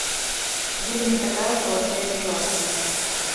Гэта не такая простая сітуацыя.